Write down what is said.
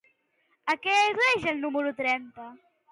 A què al·ludeix el número trenta?